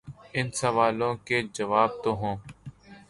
ان سوالوں کے جواب تو ہوں۔